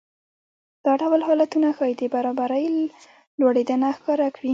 دا ډول حالتونه ښايي د برابرۍ لوړېدنه ښکاره کړي